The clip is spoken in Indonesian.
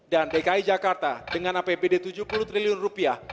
dki jakarta dengan apbd tujuh puluh triliun rupiah